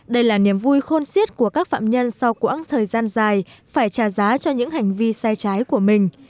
đây là niềm vui khôn siết của các phạm nhân sau quãng thời gian dài phải trả giá cho những hành vi sai trái của mình